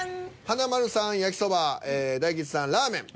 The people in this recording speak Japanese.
華丸さん「焼きソバ」大吉さん「ラーメン」